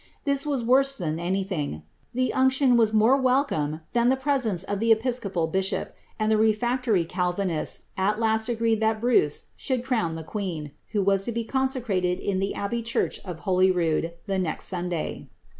This was worse than anything; the unction was more welcome than the presence of an episcopal bishop, and the refractor)' Calvinists at last agreed that Bruce should crown the queen, who was to be consecrated in the abbey church of Holyrood, the next Sunday.